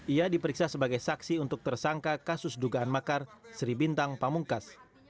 ia diperiksa sebagai saksi untuk tersangka kasus dugaan makar sri bintang pamungkas